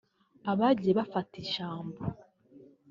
Abagiye bafata ijambo